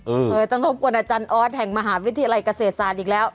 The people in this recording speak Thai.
เออต้องรบกวนอาจารย์ออสแห่งมหาวิทยาลัยเกษตรศาสตร์อีกแล้ว